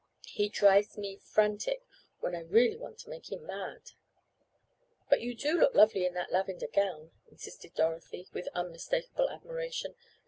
"He drives me frantic when I really want to make him mad." "But you do look lovely in that lavender gown," insisted Dorothy, with unmistakable admiration.